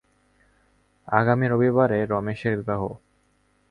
আগামী রবিবারে রমেশের বিবাহ!